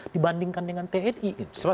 dibandingkan dengan tni itu